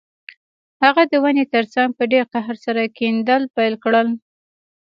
هغه د ونې ترڅنګ په ډیر قهر سره کیندل پیل کړل